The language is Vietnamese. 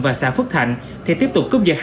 và xã phước thạnh thì tiếp tục cúp giật